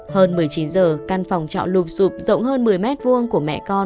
hơn một mươi chín h căn phòng trọ lụp rụp rộng hơn một mươi m hai của mẹ con